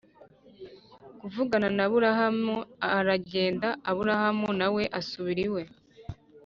kuvugana na Aburahamu aragenda Aburahamu na we asubira iwe